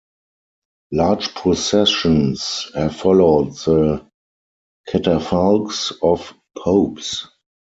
Large processions have followed the catafalques of Popes.